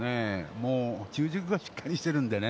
もう中軸がしっかりしてるんでね。